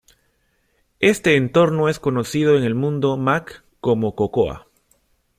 Este entorno es conocido en el mundo Mac como Cocoa.